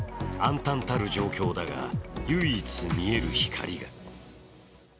あんたんたる状況だが唯一見える光が。